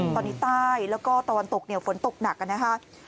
ตอนนี้ใต้แล้วก็ตอนตกเหนียวฝนตกหนักนะครับ